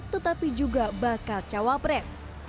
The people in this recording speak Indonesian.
tetapi juga bakal cawapres